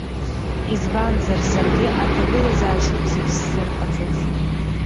Избанзар, саргьы аҭагылазаашьоуп зегь сзырҟаҵаз.